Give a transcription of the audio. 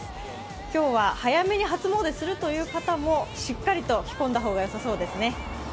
今日は早めに初詣するという方もしっかりと着込んだ方がよさそうですね。